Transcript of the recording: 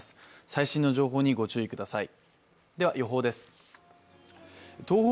最新の情報にご注意ください。